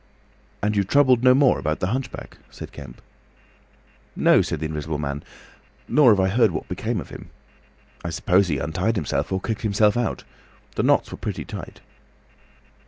"And you troubled no more about the hunchback?" said Kemp. "No," said the Invisible Man. "Nor have I heard what became of him. I suppose he untied himself or kicked himself out. The knots were pretty tight."